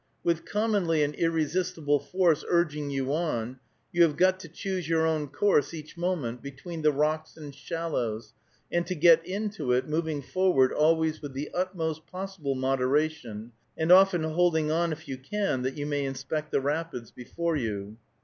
With commonly an irresistible force urging you on, you have got to choose your own course each moment, between the rocks and shallows, and to get into it, moving forward always with the utmost possible moderation, and often holding on, if you can, that you may inspect the rapids before you.